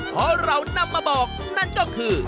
เพราะเรานำมาบอกนั่นก็คือ